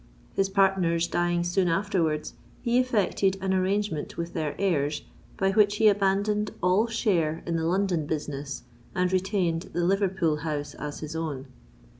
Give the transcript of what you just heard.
His partners dying soon afterwards, he effected an arrangement with their heirs, by which he abandoned all share in the London business, and retained the Liverpool house as his own.